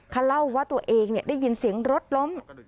เขาเล่าว่าตัวเองได้ยินเสียงรถล้ม